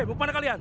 hei kemana kalian